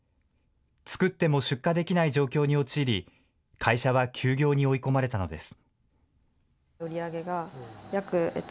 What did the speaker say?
作っても出荷できない状況に陥り、会社は休業に追い込まれたのです。